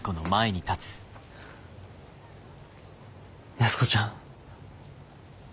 安子ちゃん。